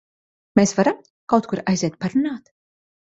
Mēs varam kaut kur aiziet parunāt?